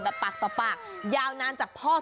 ส่วนเมนูที่ว่าคืออะไรติดตามในช่วงตลอดกิน